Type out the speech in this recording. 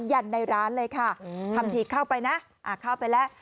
ยันในร้านเลยค่ะทำทีเข้าไปนะเข้าไปแล้ว